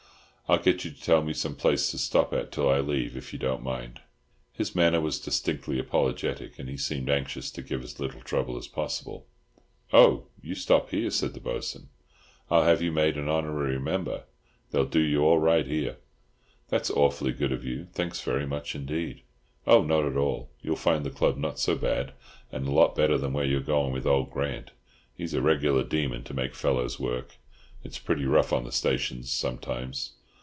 I'll get you to tell me some place to stop at till I leave, if you don't mind." His manner was distinctly apologetic, and he seemed anxious to give as little trouble as possible. "Oh! you stop here," said the Bo'sun. "I'll have you made an honorary member. They'll do you all right here." "That's awfully good of you. Thanks very much indeed." "Oh! not at all. You'll find the club not so bad, and a lot better than where you're going with old Grant. He's a regular demon to make fellows work. It's pretty rough on the stations sometimes."